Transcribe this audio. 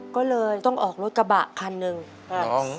ก็เลยต้องออกรถกระบะคันหนึ่งอ่า